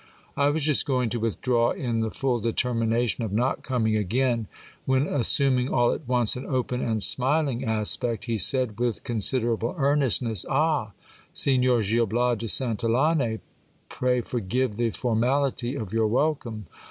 I was just going to withdraw in the full determination of not coming again, when assuming all at once an open and smiling aspect, he said with com siderable earnestness : Ah ! Signor Gil Bias de Santillane, pray forgive the formality of your welcome.